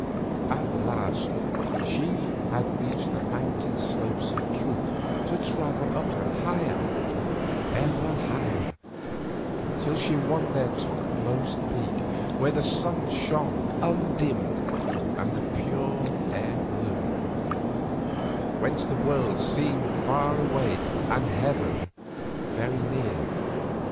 At last she had reached the mountain slopes of Truth to travel up them higher—ever higher, till she won their topmost peak, where the sun shone undimmed and the pure air blew; whence the world seemed far away and heaven very near.